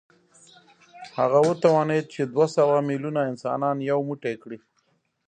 هغه وتوانېد چې دوه سوه ميليونه انسانان يو موټی کړي.